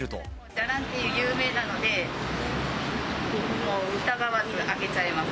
じゃらんって有名なので、もう疑わず開けちゃいます。